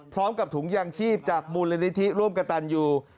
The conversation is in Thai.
พร้อมกับถุงยางชีพจากมูลนิธิร่วมกับตันยู